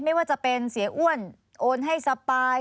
ไม่ว่าจะเป็นเสียอ้วนโอนให้สปาย